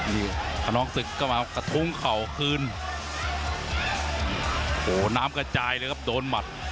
นี่ขนองศึกก็มากระทุ้งเข่าคืนโอ้โหน้ำกระจายเลยครับโดนหมัด